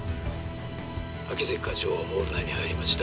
「秋月課長がモール内に入りました。